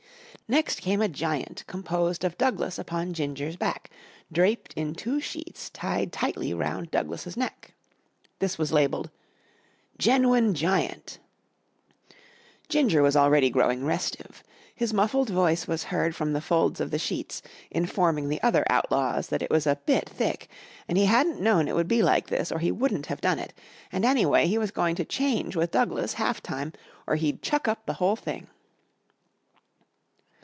Next came a giant composed of Douglas upon Ginger's back, draped in two sheets tied tightly round Douglas's neck. This was labelled: ++| GENWIN GIANT |++ Ginger was already growing restive. His muffled voice was heard from the folds of the sheets informing the other Outlaws that it was a bit thick and he hadn't known it would be like this or he wouldn't have done it, and anyway he was going to change with Douglas half time or he'd chuck up the whole thing.